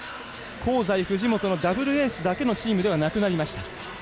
香西、藤本のダブルエースだけのチームではなくなりました。